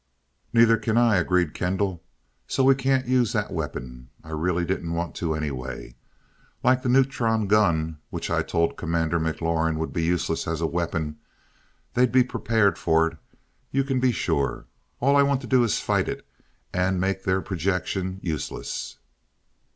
"Neither can I," agreed Kendall, "so we can't use that weapon. I really didn't want to anyway. Like the neutron gun which I told Commander McLaurin would be useless as a weapon, they'd be prepared for it, you can be sure. All I want to do is fight it, and make their projection useless."